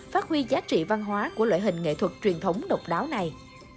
phát huy giá trị văn hóa của loại hình nghệ thuật truyền thống độc đáo này